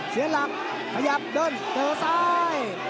เธอเเหล่าขยับเดินเผื่อซ้าย